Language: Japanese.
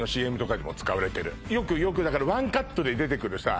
よくよくだからワンカットで出てくるさ